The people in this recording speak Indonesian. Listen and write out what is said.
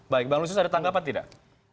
baik bang lusius ada tanggapan tidak